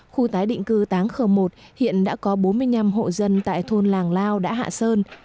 khu tái định cư táng khơ một hiện đã có bốn mươi năm hộ dân tại thôn làng lao đã hạ sơn